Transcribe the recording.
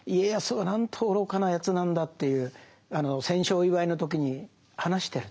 なんと愚かなやつなんだという戦勝祝いの時に話してると。